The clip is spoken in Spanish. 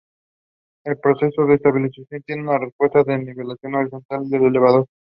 El proceso de estabilización tiene que resultar en una nivelación horizontal del elevador.